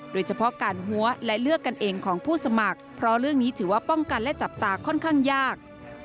โดยเฉพาะการหัวและเลือกกันเองของผู้สมัครเพราะเรื่องนี้ถือว่าป้องกันและจับตาค่อนข้างยาก